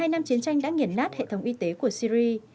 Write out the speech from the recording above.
một mươi hai năm chiến tranh đã nghiền nát hệ thống y tế của syri